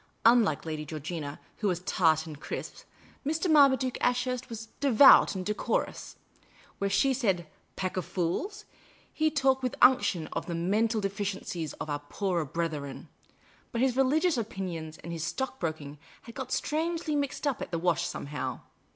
Unlike Lady Georgina, who was tart and crisp, Mr. Marma duke Ashurst was devout and decorous ; where she said " pack of fools," he talked with unction of " the mental de ficiencies of our poorer brethren." But his religious opin ions and his stockbroking had got strangely mixed up at the wash somehow.